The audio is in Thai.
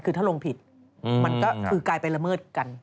คือถ้าลงผิดมันก็คือกลายไปละเมิดกัน